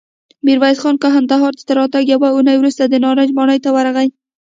ميرويس خان کندهار ته تر راتګ يوه اوونۍ وروسته د نارنج ماڼۍ ته ورغی.